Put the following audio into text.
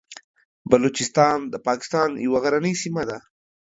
بلوچستان د پاکستان یوه غرنۍ سیمه ده.